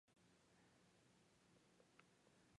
メクレンブルク＝フォアポンメルン州の州都はシュヴェリーンである